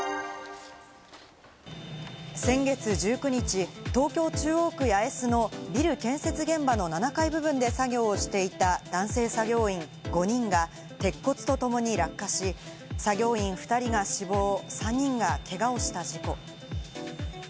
先月１９日、東京・中央区八重洲のビル建設現場の７階部分で作業をしていた男性作業員５人が鉄骨とともに落下し、作業員２人が死亡、３人がけがをした事故。